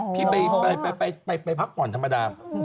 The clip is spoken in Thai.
พี่ไปพักผ่อนธรรมดา